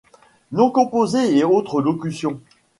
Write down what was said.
Noms composés et autres locutions.